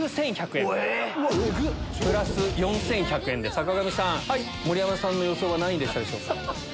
坂上さん盛山さんの予想は何位でしたでしょうか？